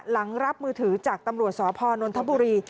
รับมือถือจากตำรวจสพนนทบุรี